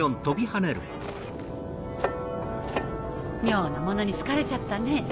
妙なものに好かれちゃったね